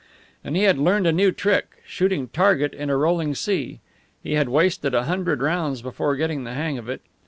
And he had learned a new trick shooting target in a rolling sea. He had wasted a hundred rounds before getting the hang of it.